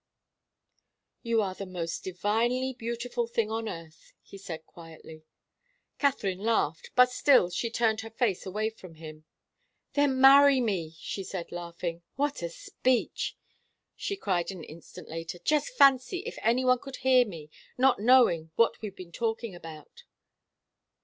"You are the most divinely beautiful thing on earth," he said, quietly. Katharine laughed, but still turned her face away from him. "Then marry me," she said, laughing. "What a speech!" she cried an instant later. "Just fancy if any one could hear me, not knowing what we've been talking about!"